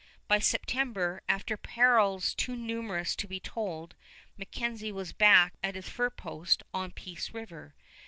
By September, after perils too numerous to be told, MacKenzie was back at his fur post on Peace River.